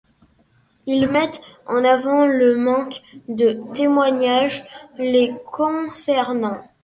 Ils mettent en avant le manque de témoignages les concernant.